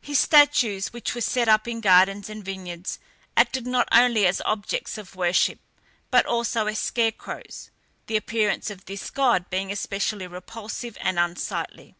His statues, which were set up in gardens and vineyards, acted not only as objects of worship, but also as scarecrows, the appearance of this god being especially repulsive and unsightly.